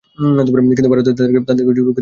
কিন্তু ভারতে তাদেরকে রুখে দিতে পেরেছি আমরা।